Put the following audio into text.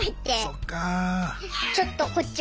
そっか。